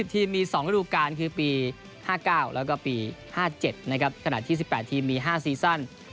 ๒๐ทีมมี๒ฤดูการคือปี๕๙แล้วก็ปี๕๗ขนาดที่๑๘ทีมมี๕ซีซั่น